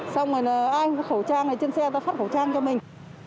xong rồi ai có khẩu trang thì trên xe ta phát khẩu trang cho mình